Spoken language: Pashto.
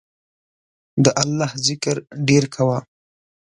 د الله ذکر ډیر کوه